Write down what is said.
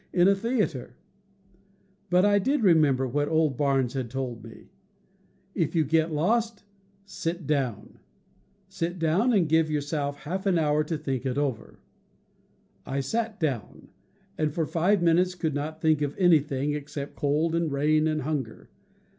in a theater. But I did remember what old Barnes had told me: "If you get lost, sit down! — sit down and give yourself half an hour to think it over." I sat down, and for five minutes could not think of anything, except cold, and rain, and hunger.